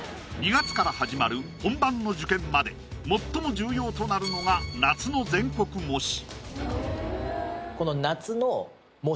２月から始まる本番の受験まで最も重要となるのが夏の全国模試